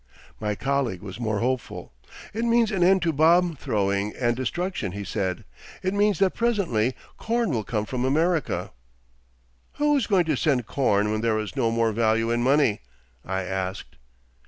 'My colleague was more hopeful. "It means an end to bomb throwing and destruction," he said. "It means that presently corn will come from America." '"Who is going to send corn when there is no more value in money?" I asked.